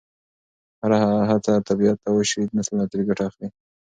هره هڅه چې طبیعت ته وشي، نسلونه ترې ګټه اخلي.